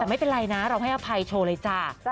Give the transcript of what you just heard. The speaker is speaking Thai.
แต่ไม่เป็นไรนะเราให้อภัยโชว์เลยจ้า